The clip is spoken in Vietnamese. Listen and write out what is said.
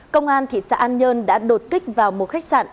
công an thị xã an nhơn đã đột kích vào một khách sạn